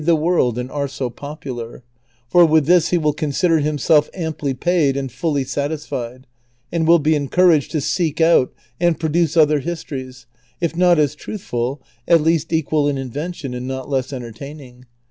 441 the world and are so popular ; for with this he Avili consider himself amply paid and fully satisfied, and will be encouraged to seek out and produce other histories, if not as truthful, at least equal in invention and not less entertaining.